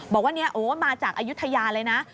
บอกว่ามาจากอายุทยาเลยนะ